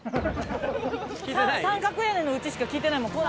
三角屋根のうちしか聞いてないもん。